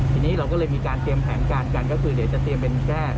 ทีนี้เราก็เลยมีการเตรียมแผนการกันก็คือเดี๋ยวจะเตรียมเป็นแค่